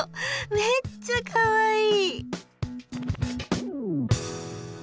めっちゃかわいい。